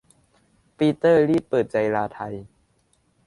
ปีเตอร์ รีดเปิดใจลาไทย